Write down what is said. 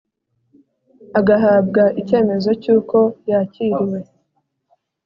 Agahabwa icyemezo cy uko yakiriwe